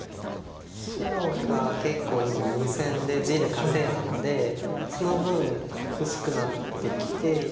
白が結構今２線で地で稼いだのでその分薄くなってきて。